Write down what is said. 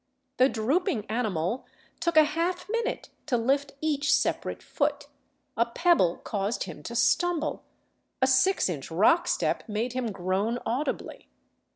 The drooping anirnal took a half minute to lift each separate foot, a pebble caused him to stumble, a six inch rock step made him groan audibly.